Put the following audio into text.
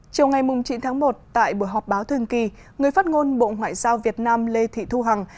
chiều ngày chín tháng một tại buổi họp báo thường kỳ người phát ngôn bộ ngoại giao việt nam lê thị thu hằng